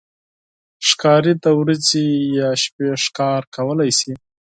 ښکاري د ورځې یا شپې ښکار کولی شي.